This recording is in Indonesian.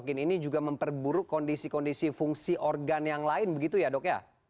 mungkin ini juga memperburuk kondisi kondisi fungsi organ yang lain begitu ya dok ya